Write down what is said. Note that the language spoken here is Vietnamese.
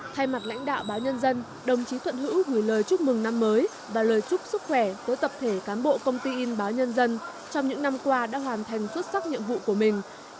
thay mặt lãnh đạo báo nhân dân đồng chí thuận hữu gửi lời chúc mừng năm mới và lời chúc sức khỏe tới tập thể cán bộ công ty in báo nhân dân trong những năm qua đã hoàn thành xuất sắc nhiệm vụ của mình